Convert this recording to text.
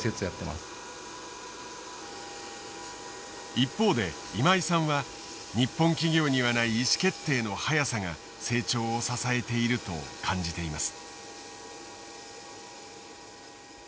一方で今井さんは日本企業にはない意思決定の速さが成長を支えていると感じています。